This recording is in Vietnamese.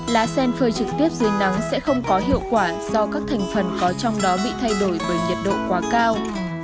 lá sen phơi trực tiếp dưới nắng sẽ không có hiệu quả do các thành phần có trong đó bị thay đổi bởi nhiệt độ quá cao